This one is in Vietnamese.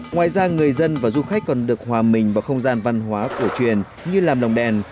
ngoài ra người dân và du khách còn được hòa mình vào không gian văn hóa cổ truyền như làm lồng đèn